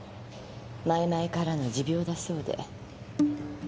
前々からの持病だそうで。